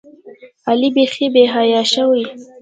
علي بیخي بېحیا شوی.